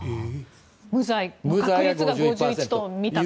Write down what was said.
無罪の確率が５１と見たと。